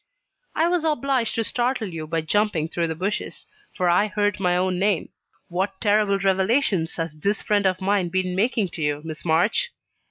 "I was obliged to startle you by jumping through the bushes; for I heard my own name. What terrible revelations has this friend of mine been making to you, Miss March?"